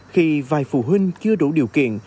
khi vài phụ huynh chưa đủ điều kiện